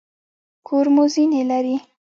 کور مو زینې لري؟